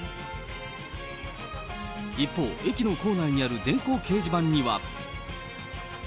一方、駅の構内にある電光掲示板には。